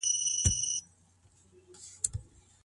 یوځای نقش شوي دي سپینبڼي مارغان